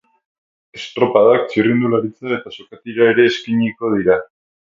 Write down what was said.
Estropadak, txirrindularitza eta sokatira ere eskainiko dira.